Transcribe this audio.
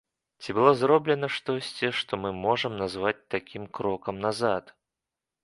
Ці было зроблена штосьці, што мы можам назваць такім крокам назад?